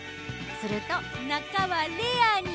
すると中はレアに。